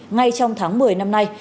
ngay trong tháng một mươi năm nay